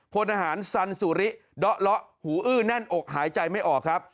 พลทหารสันสุริเดาะเลาะหูอื้อแน่นอกหายใจไม่ออกครับ